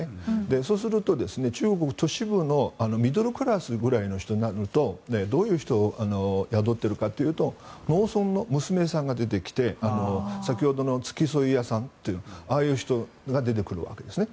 そうすると、中国は都市部のミドルクラスぐらいの人になるとどういう人を雇っているかというと農村の娘さんが出てきて先ほどの付き添い屋さんああいう人が出てくるわけですね。